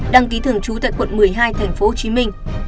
đăng ký thường trú tại quận một mươi hai thành phố hồ chí minh